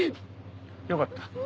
よかった。